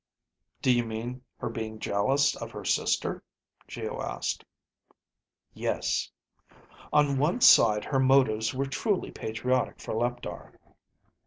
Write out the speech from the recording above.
"Do you mean her being jealous of her sister?" Geo asked. "Yes. On one side her motives were truly patriotic for Leptar.